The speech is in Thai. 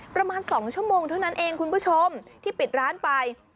ประมาณ๒ชั่วโมงเท่านั้นเองคุณผู้ชมที่ปิดร้านไป